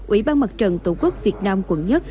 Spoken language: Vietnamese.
ủy ban mặt trận tổ quốc việt nam quận một